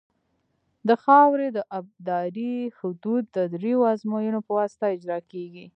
د خاورې د ابدارۍ حدود د دریو ازموینو په واسطه اجرا کیږي